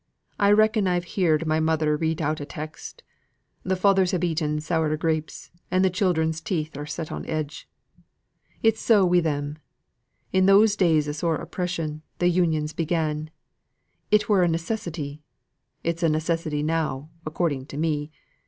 I reckon I've heerd my mother read out a text, 'The fathers have eaten sour grapes, and th' chidren's teeth are set on edge.' Its so wi' them. In those days of sore oppression th' Unions began; it were a necessity. It's a necessity now, according to me.